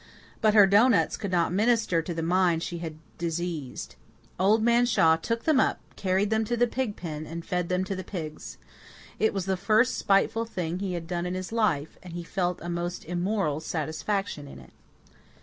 But her doughnuts could not minister to the mind she had diseased. Old Man Shaw took them up; carried them to the pig pen, and fed them to the pigs. It was the first spiteful thing he had done in his life, and he felt a most immoral satisfaction in it.